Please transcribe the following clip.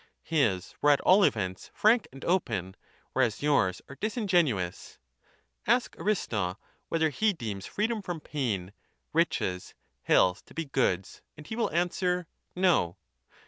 His were at all events frank and open, whereas yours are disingenuous. Ask Aristo whether he deems freedom from pain, riches, health to be goods, and he will answer No.